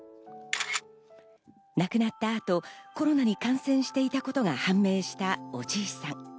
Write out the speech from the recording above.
亡くなった後、コロナに感染していたことが判明したおじいさん。